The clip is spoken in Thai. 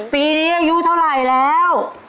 ปีนี้อายุเท่าไหร่แล้ว